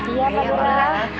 iya pak lurah